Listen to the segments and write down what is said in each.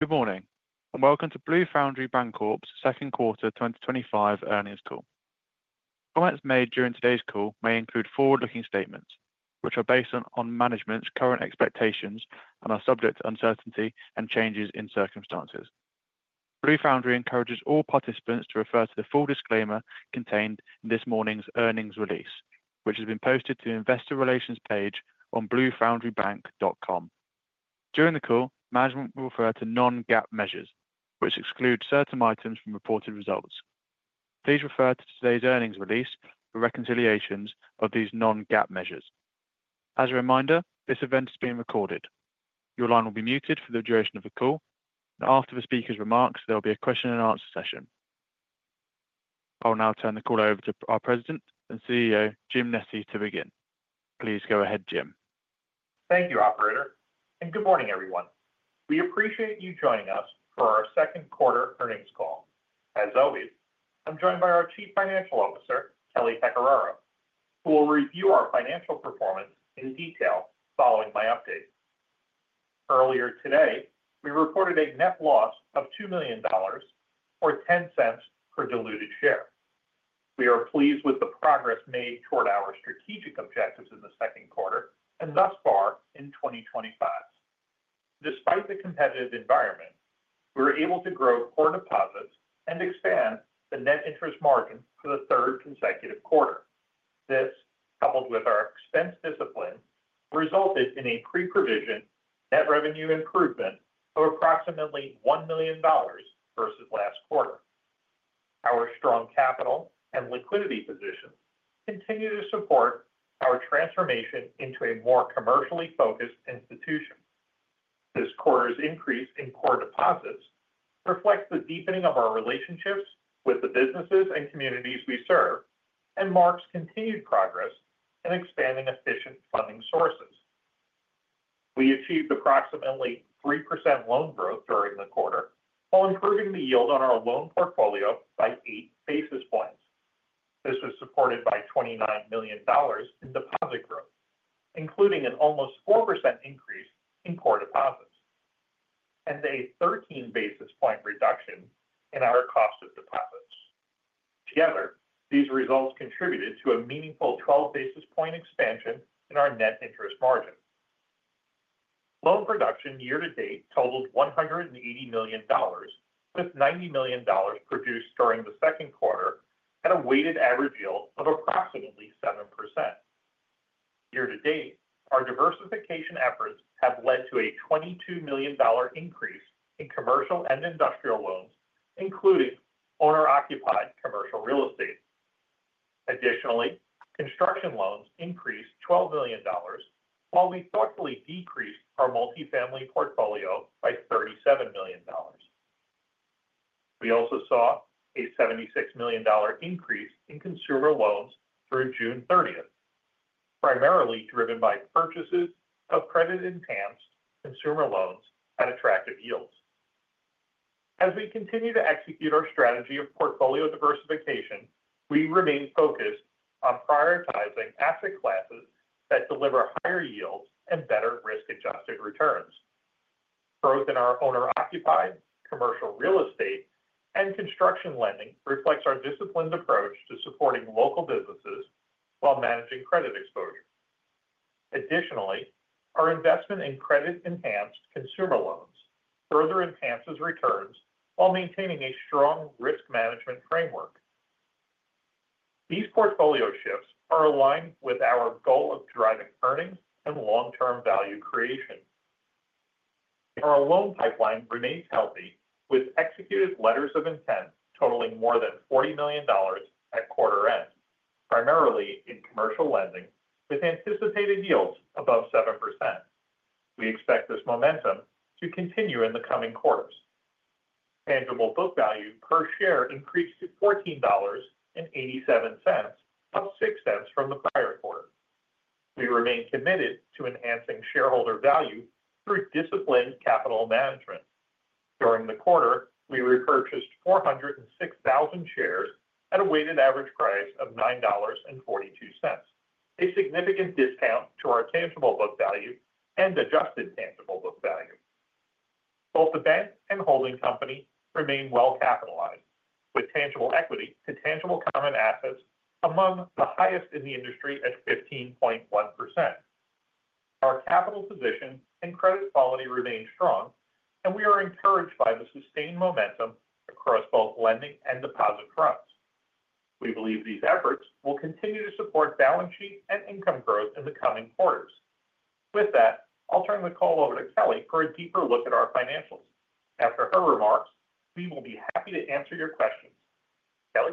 Good morning and welcome to Blue Foundry Bancorp's second quarter 2025 earnings call. Comments made during today's call may include forward-looking statements, which are based on management's current expectations and are subject to uncertainty and changes in circumstances. Blue Foundry encourages all participants to refer to the full disclaimer contained in this morning's earnings release, which has been posted to the investor relations page on bluefoundrybank.com. During the call, management will refer to non-GAAP measures, which exclude certain items from reported results. Please refer to today's earnings release for reconciliations of these non-GAAP measures. As a reminder, this event is being recorded. Your line will be muted for the duration of the call, and after the speaker's remarks, there will be a question-and-answer session. I will now turn the call over to our President and CEO, James D. Nesci, to begin. Please go ahead, James. Thank you, Operator, and good morning, everyone. We appreciate you joining us for our second quarter earnings call. As always, I'm joined by our Chief Financial Officer, Kelly Pecoraro, who will review our financial performance in detail following my update. Earlier today, we reported a net loss of $2 million or $0.10 per diluted share. We are pleased with the progress made toward our strategic objectives in the second quarter and thus far in 2024. Despite the competitive environment, we were able to grow core deposits and expand the net interest margin for the third consecutive quarter. This, coupled with our expense discipline, resulted in a pre-provision net revenue improvement of approximately $1 million versus last quarter. Our strong capital and liquidity position continue to support our transformation into a more commercially focused institution. This quarter's increase in core deposits reflects the deepening of our relationships with the businesses and communities we serve and marks continued progress in expanding efficient funding sources. We achieved approximately 3% loan growth during the quarter while improving the yield on our loan portfolio by 8 basis points. This was supported by $29 million in deposit growth, including an almost 4% increase in core deposits and a 13 basis point reduction in our cost of deposits. Together, these results contributed to a meaningful 12 basis point expansion in our net interest margin. Loan production year to date totaled $180 million, with $90 million produced during the second quarter at a weighted average yield of approximately 7%. Year to date, our diversification efforts have led to a $22 million increase in commercial and industrial loans, including owner-occupied commercial real estate. Additionally, construction loans increased $12 million, while we thoughtfully decreased our multifamily portfolio by $37 million. We also saw a $76 million increase in consumer loans through June 30, primarily driven by purchases of credit-enhanced consumer loans at attractive yields. As we continue to execute our strategy of portfolio diversification, we remain focused on prioritizing asset classes that deliver higher yields and better risk-adjusted returns. Growth in our owner-occupied commercial real estate and construction lending reflects our disciplined approach to supporting local businesses while managing credit exposure. Additionally, our investment in credit-enhanced consumer loans further enhances returns while maintaining a strong risk management framework. These portfolio shifts are aligned with our goal of driving earnings and long-term value creation. Our loan pipeline remains healthy, with executed letters of intent totaling more than $40 million at quarter end, primarily in commercial lending, with anticipated yields above 7%. We expect this momentum to continue in the coming quarters. Tangible book value per share increased to $14.87, up six steps from the prior quarter. We remain committed to enhancing shareholder value through disciplined capital management. During the quarter, we repurchased 406,000 shares at a weighted average price of $9.42, a significant discount to our tangible book value and adjusted tangible book value. Both the bank and holding company remain well capitalized, with tangible equity to tangible common assets among the highest in the industry at 15.1%. Our capital position and credit quality remain strong, and we are encouraged by the sustained momentum across both lending and deposit trusts. We believe these efforts will continue to support balance sheet and income growth in the coming quarters. With that, I'll turn the call over to Kelly for a deeper look at our financials. After her remarks, we will be happy to answer your questions. Kelly?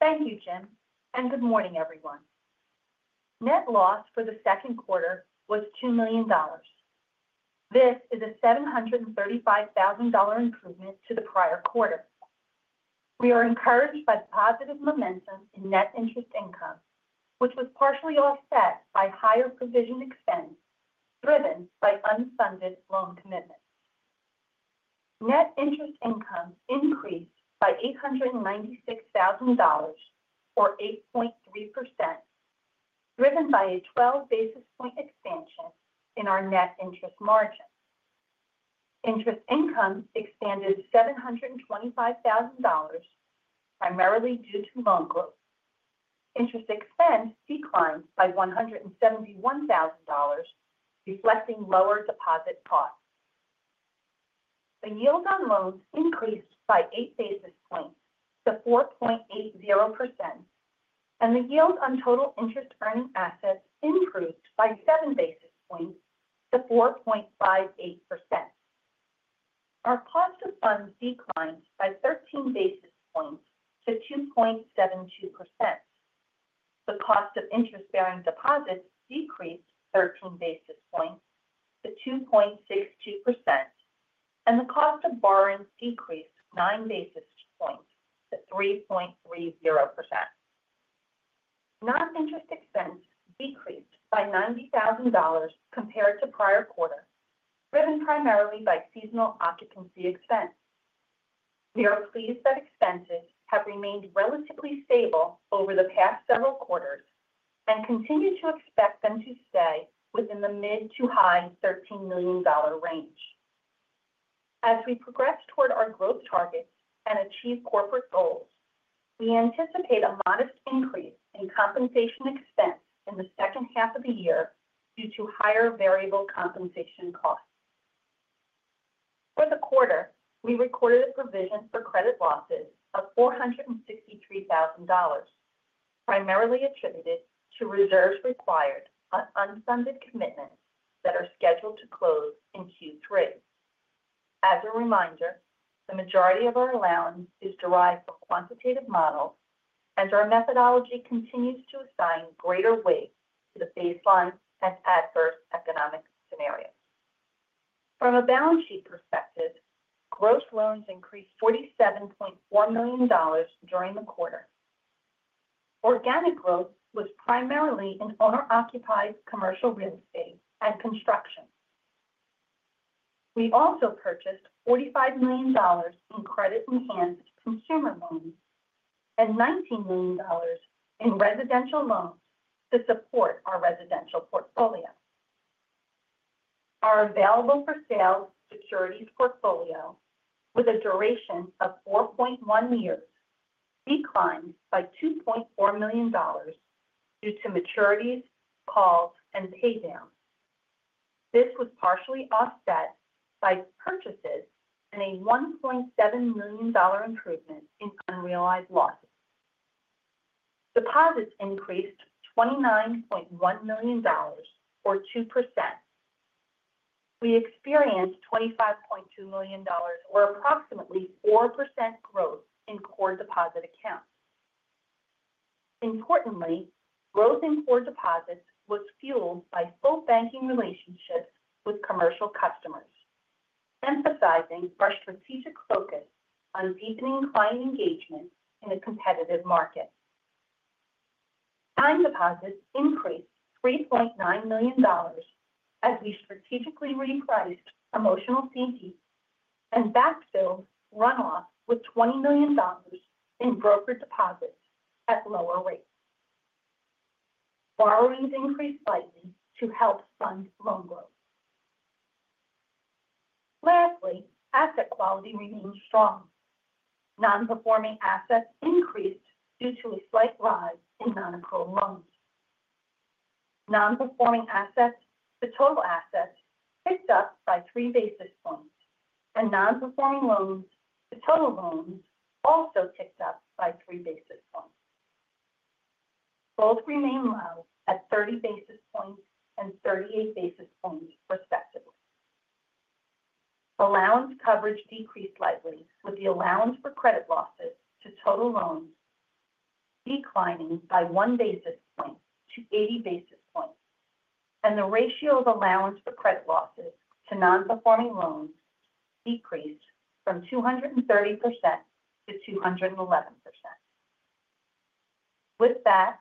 Thank you, Jim, and good morning, everyone. Net loss for the second quarter was $2 million. This is a $735,000 improvement to the prior quarter. We are encouraged by the positive momentum in net interest income, which was partially offset by higher provision expense driven by unfunded loan commitments. Net interest income increased by $896,000 or 8.3%, driven by a 12 basis point expansion in our net interest margin. Interest income expanded $725,000, primarily due to loan growth. Interest expense declined by $171,000, reflecting lower deposit costs. The yield on loans increased by 8 basis points to 4.80%, and the yield on total interest earning assets improved by 7 basis points to 4.58%. Our cost of funds declined by 13 basis points to 2.72%. The cost of interest bearing deposits decreased 13 basis points to 2.62%, and the cost of borrowing decreased 9 basis points to 3.30%. Net interest expense decreased by $90,000 compared to prior quarter, driven primarily by seasonal occupancy expense. Year-over-year, expenses have remained relatively stable over the past several quarters and we continue to expect them to stay within the mid to high $13 million range. As we progress toward our growth targets and achieve corporate goals, we anticipate a modest increase in compensation expense in the second half of the year due to higher variable compensation costs. For the quarter, we recorded a provision for credit losses of $463,000, primarily attributed to reserves required on unfunded commitments that are scheduled to close in Q3. As a reminder, the majority of our allowance is derived from quantitative models, and our methodology continues to assign greater weight to the baseline and adverse economic scenarios. From a balance sheet perspective, gross loans increased $47.4 million during the quarter. Organic growth was primarily in owner-occupied commercial real estate and construction. We also purchased $45 million in credit-enhanced consumer loans and $19 million in residential loans to support our residential portfolio. Our available for sale securities portfolio, with a duration of 4.1 years, declined by $2.4 million due to maturities, calls, and paydown. This was partially offset by purchases and a $1.7 million improvement in unrealized loss. Deposits increased $29.1 million or 2%. We experienced $25.2 million or approximately 4% growth in core deposit accounts. Importantly, growth in core deposits was fueled by full banking relationships with commercial customers, emphasizing our strategic focus on deepening client engagement in a competitive market. Time deposits increased $3.9 million as we strategically reinvest in emotional safety and backfill runoff with $20 million in broker deposits at lower rates. Borrowing increased slightly to help fund loan growth. Lastly, asset quality remains strong. Non-performing assets increased due to a slight rise in non-approved loans. Non-performing assets to total assets ticked up by 3 basis points, and non-performing loans to total loans also ticked up by 3 basis points. Both remain low at 30 basis points and 38 basis points, respectively. Allowance coverage decreased slightly with the allowance for credit losses to total loans declining by 1 basis point to 80 basis points, and the ratio of allowance for credit losses to non-performing loans decreased from 230% to 211%. With that,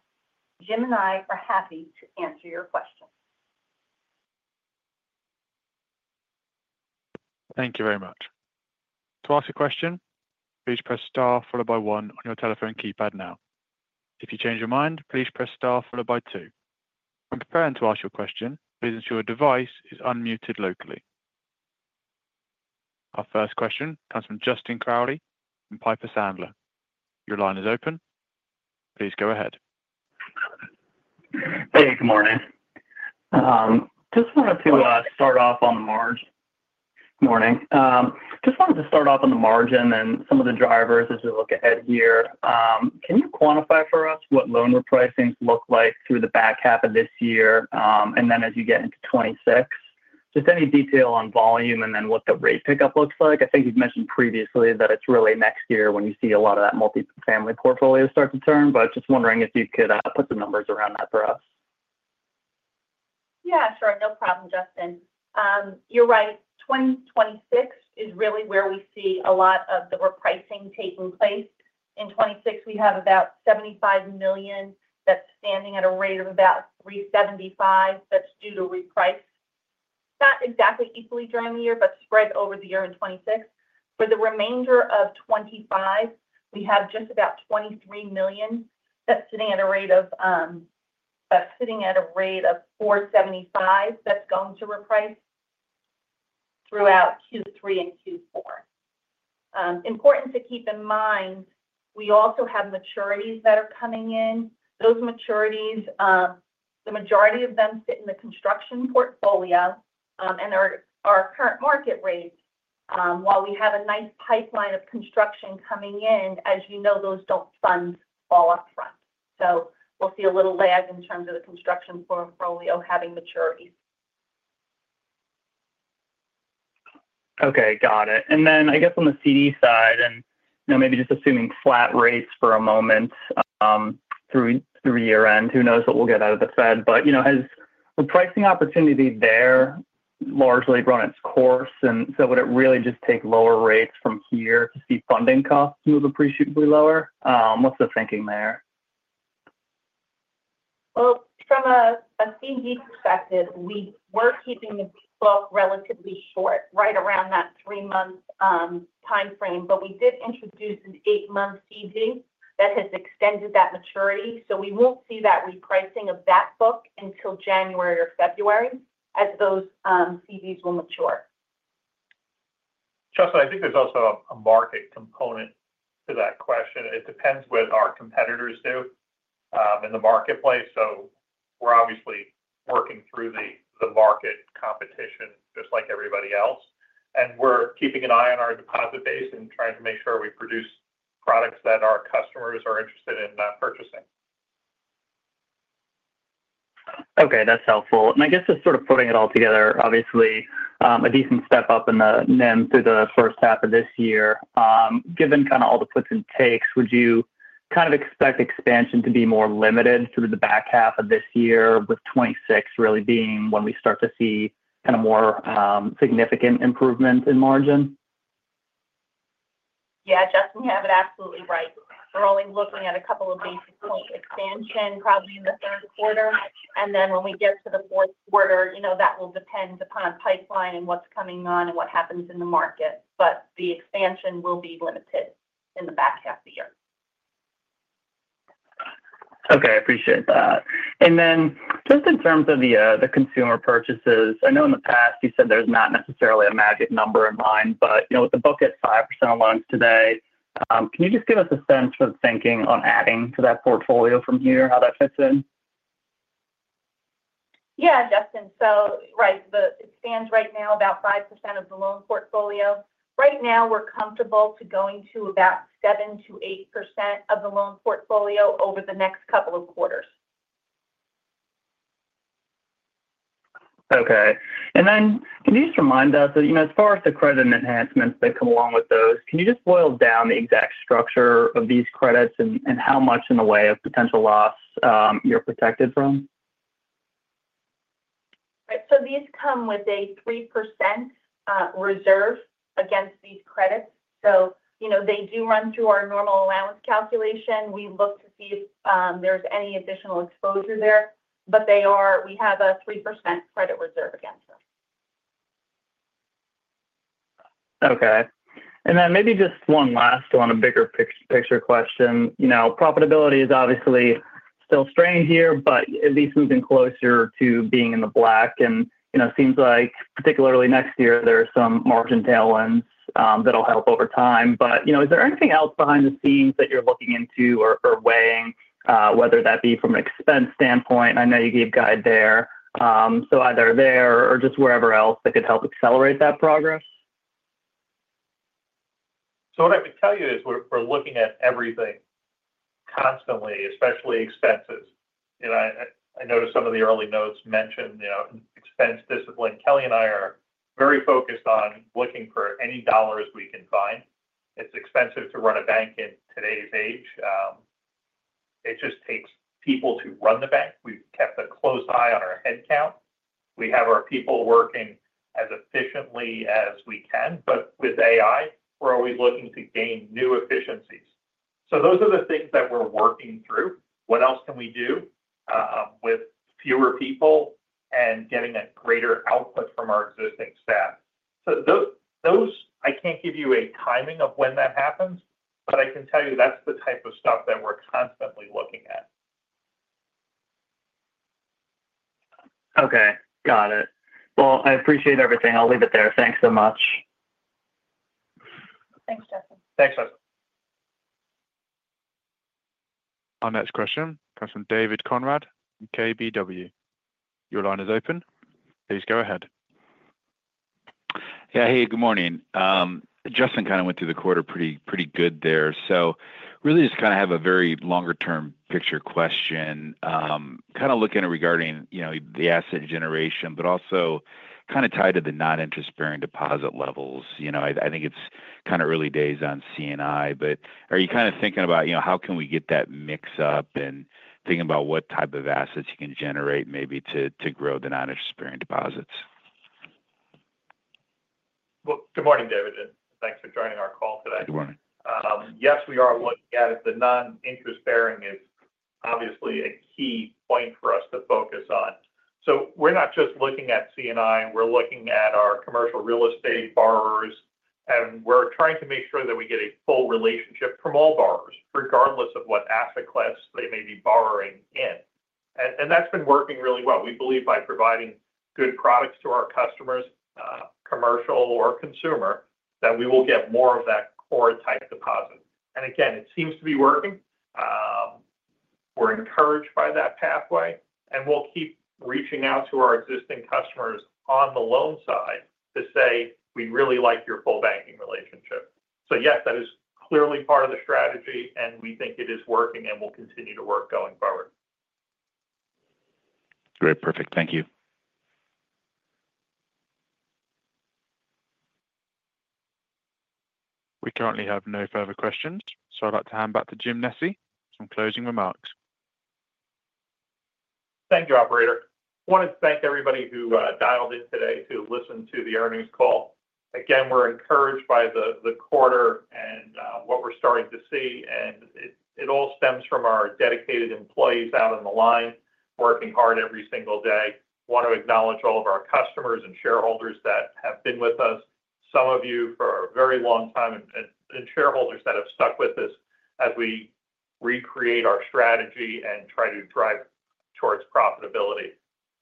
Jim and I are happy to answer your questions. Thank you very much. To ask a question, please press star followed by one on your telephone keypad now. If you change your mind, please press star followed by two. When preparing to ask your question, please ensure your device is unmuted locally. Our first question comes from Justin Crowley and Piper Sandler. Your line is open. Please go ahead. Good morning. Just wanted to start off on the margin and some of the drivers as you look ahead here. Can you quantify for us what loan repricing looked like through the back half of this year and then as you get into 2026? Is there any detail on volume and then what the rate pickup looks like? I think you've mentioned previously that it's really next year when you see a lot of that multifamily portfolio start to turn, but just wondering if you could put the numbers around that for us. Yeah, sure. No problem, Justin. You're right. 2026 is really where we see a lot of the repricing taking place. In 2026, we have about $75 million that's standing at a rate of about 3.75%. That's due to reprice, not exactly equally during the year, but spread over the year in 2026. For the remainder of 2025, we have just about $23 million that's sitting at a rate of 4.75% that's going to reprice throughout Q3 and Q4. Important to keep in mind, we also have maturities that are coming in. Those maturities, the majority of them sit in the construction portfolio and are at our current market rate. While we have a nice pipeline of construction coming in, as you know, those don't fund all upfront. We'll see a little lag in terms of the construction portfolio having maturities. Okay, got it. I guess on the CD side, maybe just assuming flat rates for a moment through the year-end, who knows what we'll get out of the Fed. Has the pricing opportunity there largely run its course? Would it really just take lower rates from here to see funding costs move appreciably lower? What's the thinking there? From a CD perspective, we were keeping the book relatively short, right around that three-month time frame, but we did introduce an eight-month CD that has extended that maturity. We won't see that repricing of that book until January or February as those CDs will mature. Justin, I think there's also a market component to that question. It depends what our competitors do in the marketplace. We're obviously working through the market competition just like everybody else, and we're keeping an eye on our deposit base and trying to make sure we produce products that our customers are interested in purchasing. Okay, that's helpful. I guess just sort of putting it all together, obviously a decent step up in the net interest margin through the first half of this year. Given kind of all the puts and takes, would you kind of expect expansion to be more limited through the back half of this year with 2026 really being when we start to see kind of more significant improvement in margin? Yeah, Justin, you have it absolutely right. We're only looking at a couple of basis points of expansion probably in the third quarter. When we get to the fourth quarter, you know, that will depend upon a pipeline and what's coming on and what happens in the market. The expansion will be limited in the back half of the year. Okay, I appreciate that. In terms of the consumer purchases, I know in the past you said there's not necessarily a magic number in mind, but with the book at 5% of loans today, can you just give us a sense for the thinking on adding to that portfolio from here, how that fits in? Yeah, Justin. Right, it stands right now at about 5% of the loan portfolio. Right now, we're comfortable going to about 7%-8% of the loan portfolio over the next couple of quarters. Okay. Can you just remind us, as far as the credit enhancements that come along with those, can you just boil down the exact structure of these credits and how much in the way of potential loss you're protected from? These come with a 3% reserve against these credits. They do run through our normal allowance calculation. We look to see if there's any additional exposure there, but we have a 3% credit reserve against them. Okay. Maybe just one last one, a bigger picture question. Profitability is obviously still strained here, but at least moving closer to being in the black. It seems like particularly next year, there's some margin tailwind that'll help over time. Is there anything else behind the scenes that you're looking into or weighing, whether that be from an expense standpoint? I know you gave guide there. Either there or just wherever else that could help accelerate that progress. What I can tell you is we're looking at everything constantly, especially expenses. I noticed some of the early notes mentioned expense discipline. Kelly and I are very focused on looking for any dollars we can find. It's expensive to run a bank in today's age. It just takes people to run the bank. We've kept a close eye on our headcount. We have our people working as efficiently as we can, but with AI, we're always looking to gain new efficiencies. Those are the things that we're working through. What else can we do, with fewer people and getting a greater output from our existing staff? I can't give you a timing of when that happens, but I can tell you that's the type of stuff that we're constantly looking at. Okay, got it. I appreciate everything. I'll leave it there. Thanks so much. Thanks, Justin. Our next question comes from David Konrad in Keefe, Bruyette & Woods. Your line is open. Please go ahead. Yeah, hey, good morning. Justin kind of went through the quarter pretty good there. I really just have a very longer-term picture question, kind of looking at regarding, you know, the asset generation, but also kind of tied to the non-interest bearing deposit levels. I think it's kind of early days on C&I, but are you kind of thinking about, you know, how can we get that mix up and thinking about what type of assets you can generate maybe to grow the non-interest bearing deposits? Good morning, David, and thanks for joining our call today. Good morning. Yes, we are looking at it. The non-interest bearing is obviously a key point for us to focus on. We're not just looking at C&I. We're looking at our commercial real estate borrowers, and we're trying to make sure that we get a full relationship from all borrowers, regardless of what asset class they may be borrowing in. That has been working really well. We believe by providing good products to our customers, commercial or consumer, that we will get more of that core type deposit. It seems to be working. We're encouraged by that pathway, and we'll keep reaching out to our existing customers on the loan side to say, we really like your full banking relationship. Yes, that is clearly part of the strategy, and we think it is working, and we'll continue to work going forward. Great. Perfect. Thank you. We currently have no further questions, so I'd like to hand back to James Nesci with some closing remarks. Thank you, Operator. I wanted to thank everybody who dialed in today, who listened to the earnings call. Again, we're encouraged by the quarter and what we're starting to see, and it all stems from our dedicated employees out on the line working hard every single day. I want to acknowledge all of our customers and shareholders that have been with us, some of you for a very long time, and shareholders that have stuck with us as we recreate our strategy and try to drive it towards profitability.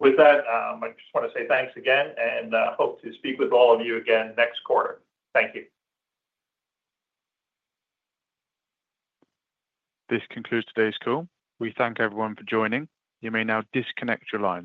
With that, I just want to say thanks again and hope to speak with all of you again next quarter. Thank you. This concludes today's call. We thank everyone for joining. You may now disconnect your lines.